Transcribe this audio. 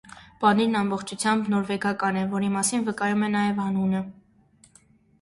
Պանիրն ամբողջությամբ նորվեգական է, որի մասին վկայում է նաև անունը։